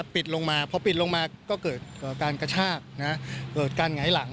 ปิดลงมาพอปิดลงมาก็เกิดการกระชากเกิดการหงายหลัง